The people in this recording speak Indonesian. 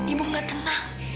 ibu gak tenang